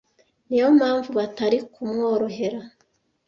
Niyo mpamvu batari kumworohera